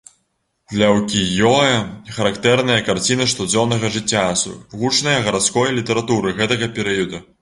Для укіё-э характэрныя карціны штодзённага жыцця, сугучныя гарадской літаратуры гэтага перыяду.